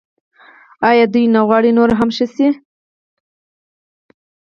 آیا دوی نه غواړي نور هم ښه شي؟